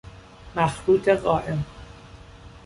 مخروط قائم